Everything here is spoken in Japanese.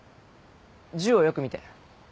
銃をよく見て。